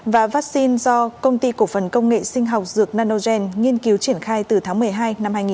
và vaccine do công ty cổ phần công nghệ sinh học dược nanogen nghiên cứu triển khai từ tháng một mươi hai năm hai nghìn một mươi